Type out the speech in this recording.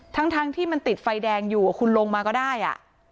ทั้งที่มันติดไฟแดงอยู่คุณลงมาก็ได้